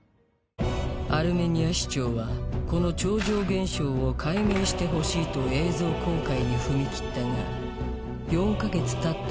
アルメニア市長はこの超常現象を解明してほしいと映像公開に踏み切ったが４か月たった